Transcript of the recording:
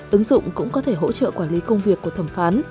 ứng dụng cũng có thể hỗ trợ quản lý công việc của thẩm phán